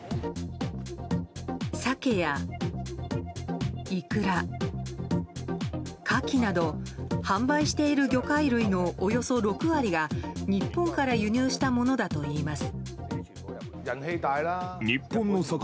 サケやイクラ、カキなど販売している魚介類のおよそ６割が日本から輸入したものだといいます。